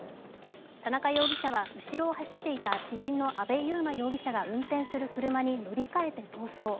田中容疑者は、後ろを走っていた知人の阿部悠真容疑者が運転する車に乗り換えて逃走。